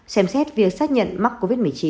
xem xét việc xác nhận mắc covid một mươi chín